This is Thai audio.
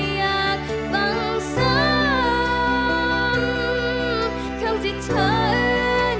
อยากมีเพียงสองเราอยู่กับจันทร์เหมือนเคย